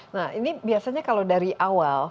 nah ini biasanya kalau dari awal